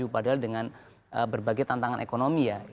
padahal dengan berbagai tantangan ekonomi ya